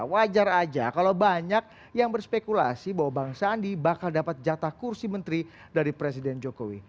wajar aja kalau banyak yang berspekulasi bahwa bang sandi bakal dapat jatah kursi menteri dari presiden jokowi